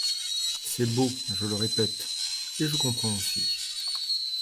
C'est beau, je le répète ; et je comprends aussi